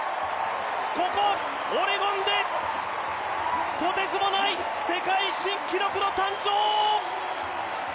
ここオレゴンで、とてつもない世界新記録の誕生！